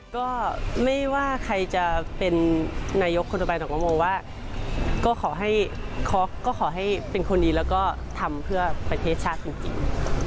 ก็ไม่ว่าใครจะเป็นนายกคนต่อไปแต่ก็มองว่าก็ขอให้เป็นคนดีแล้วก็ทำเพื่อประเทศชาติจริง